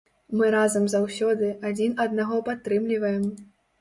Мы разам заўсёды, адзін аднаго падтрымліваем.